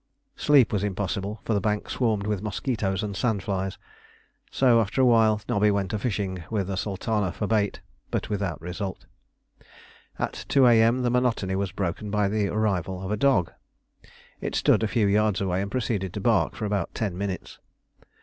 Sleep was impossible, for the bank swarmed with mosquitoes and sand flies, so after a while Nobby went a fishing with a sultana for bait, but without result. At 2 A.M. the monotony was broken by the arrival of a dog. It stood a few yards away and proceeded to bark for about ten minutes.